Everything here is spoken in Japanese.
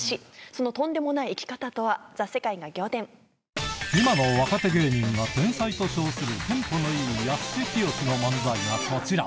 そのとんでもない生き方とは、今の若手芸人が天才と称するテンポのいいやすしきよしの漫才がこちら。